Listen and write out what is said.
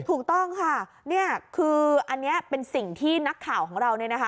ถูกต้องค่ะอันนี้เป็นสิ่งที่นักข่าวของเรา